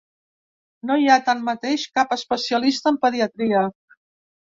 No hi ha, tanmateix, cap especialista en pediatria.